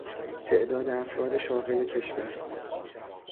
تعداد افراد شاغل کشور